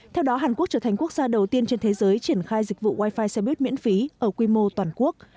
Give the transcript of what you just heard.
theo đó hàn quốc trở thành quốc gia đầu tiên trên thế giới triển khai dịch vụ wifi xe buýt miễn phí ở quy mô toàn quốc